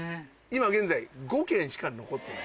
今現在５軒しか残ってないです。